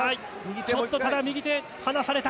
ちょっと、ただ右手、離された。